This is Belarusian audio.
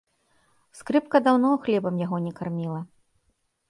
Скрыпка даўно хлебам яго не карміла.